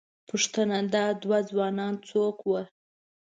_پوښتنه، دا دوه ځوانان څوک ول؟